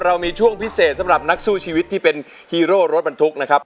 เรามีช่วงพิเศษสำหรับนักสู้ชีวิตที่เป็นฮีโร่รถบรรทุกนะครับ